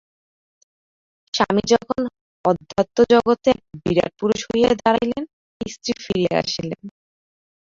স্বামী যখন অধ্যাত্ম-জগতে এক বিরাট পুরুষ হইয়া দাঁড়াইলেন, স্ত্রী ফিরিয়া আসিলেন।